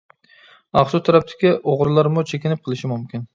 ئاقسۇ تەرەپتىكى ئوغرىلارمۇ چېكىنىپ قېلىشى مۇمكىن.